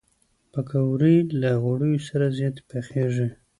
پکورې له غوړیو سره زیاتې پخېږي